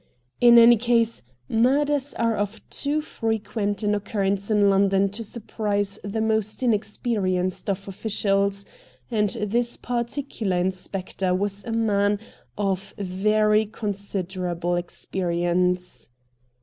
In any case, murders are of too frequent an occurrence in London to surprise the most inexperienced of officials, and this particular inspector was a man of very considerable experience.